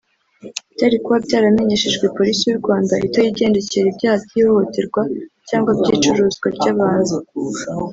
byari kuba byaramenyeshejwe Polisi y’u Rwanda itajya igenjekera ibyaha by’ihohoterwa cyangwa iby’icuruzwa ry’abantu